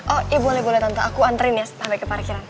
oh ibu boleh boleh tante aku antri ya sampai ke parkiran